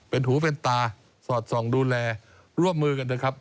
เป็นหูเป็นตาสอดส่องดูแลร่วมมือกันเถอะครับ